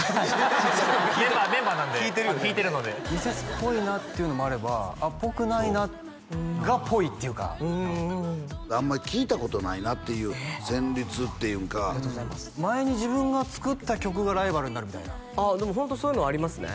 知ってますメンバーなので弾いてるのでミセスっぽいなっていうのもあれば「あっぽくないな」がぽいっていうかあんまり聴いたことないなっていう旋律っていうか前に自分が作った曲がライバルになるみたいなあっでもホントそういうのありますね